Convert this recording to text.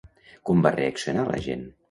Com va reaccionar l'agent?